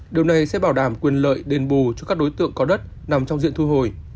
điều này sẽ bảo đảm quyền lợi đền bù cho các đối tượng có đất nằm trong diện thu hồi